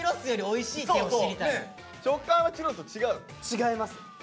違います。